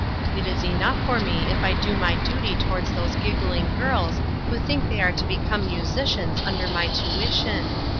It is enough for me if I do my duty toward those giggling girls who think they are to become musicians under my tuition.